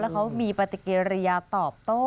และเค้ามีปฏิกิริยาตอบโต้